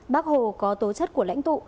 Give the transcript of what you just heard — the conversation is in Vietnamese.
bác hồ có tố chất của lãnh tụ